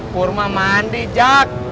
pur mah mandi jack